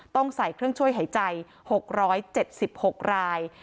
ต้องใส่เครื่องช่วยหายใจ๖๗๖ราย